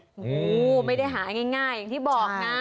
โอ้โหไม่ได้หาง่ายอย่างที่บอกนะ